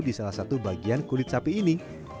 di salah satu bagian kulit sapi ini